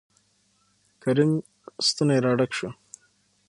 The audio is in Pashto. کريم ستونى را ډک شو.